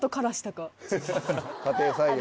家庭菜園で？